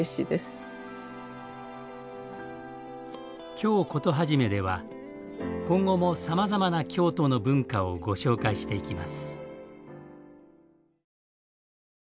「京コトはじめ」では今後もさまざまな京都の文化をご紹介していきます。